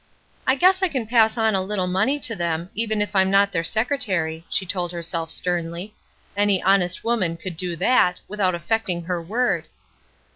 "I guess I can pass on a little money tctthem, even if I'm not their secretary," she told her self sternly. "Any honest woman could do that, without affecting her word."